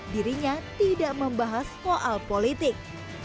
dirinya tidak membahas soal politik